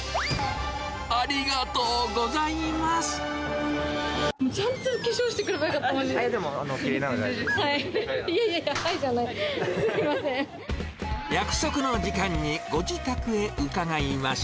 ありがとうございます。